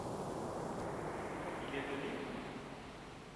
Il est venu ?